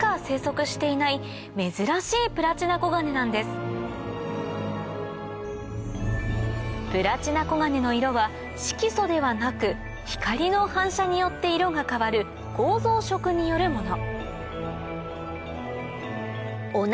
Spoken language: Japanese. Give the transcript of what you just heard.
現在滞在しているプラチナコガネの色は色素ではなく光の反射によって色が変わる構造色によるもの